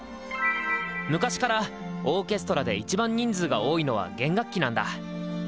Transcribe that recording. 昔からオーケストラでいちばん人数が多いのは弦楽器なんだ。